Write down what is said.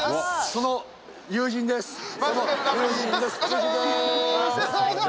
その友人です友人